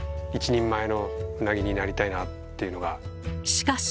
しかし。